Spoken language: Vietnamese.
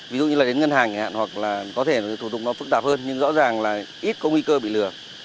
ví dụ như là đến ngân hàng hoặc là có thể là thủ tục nó phức tạp hơn nhưng rõ ràng là ít có nguy cơ bị lừa